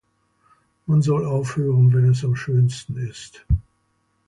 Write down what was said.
Man soll aufhören, wenn es am schönsten ist.